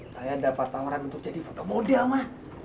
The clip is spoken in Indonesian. saya dapat tawaran untuk jadi foto model mah